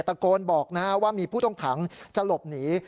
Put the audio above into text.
ตะโกนบอกว่ามีผู้ต้องขังจะหลบหนี